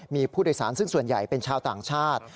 มีผู้โดยสารซึ่งส่วนใหญ่เป็นชาวต่างชาติ